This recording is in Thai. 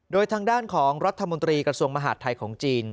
โดยทางด้านของรัฐมนตรีกระทรวงมหาดไทยของจีน